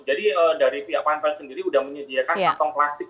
jadi dari pihak pantai sendiri sudah menyediakan karton plastik